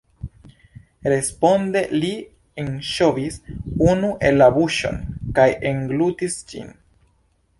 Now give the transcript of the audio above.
Responde li enŝovis unu en la buŝon kaj englutis ĝin.